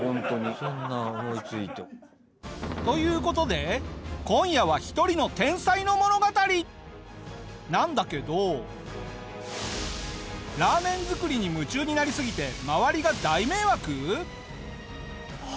そんな思いついて。という事で今夜は一人の天才の物語なんだけどラーメン作りに夢中になりすぎて周りが大迷惑？